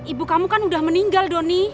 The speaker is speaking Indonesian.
ibu kamu kan udah meninggal doni